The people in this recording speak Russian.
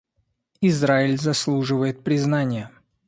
Израиль заслуживает признания.